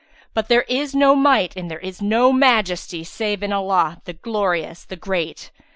But there is no Might and there is no Majesty save in Allah, the Glorious, the Great!